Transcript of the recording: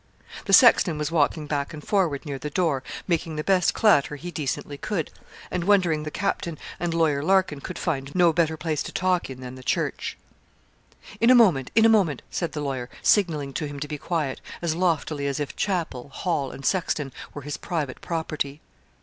The sexton was walking back and forward near the door, making the best clatter he decently could, and wondering the Captain and Lawyer Larkin could find no better place to talk in than the church. 'In a moment in a moment,' said the lawyer, signalling to him to be quiet, as loftily as if chapel, hall, and sexton were his private property.